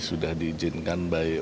sudah diizinkan baik